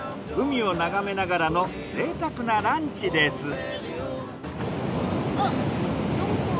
海を眺めながらのぜいたくなランチです。